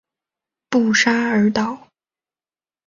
布沙尔岛。